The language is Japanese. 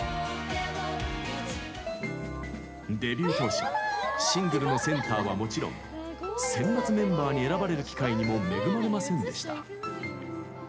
デビュー当初シングルのセンターは、もちろん選抜メンバーに選ばれる機会にも恵まれませんでした。